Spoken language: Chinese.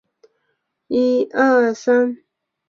瑙鲁的历史和磷酸盐的采集有关。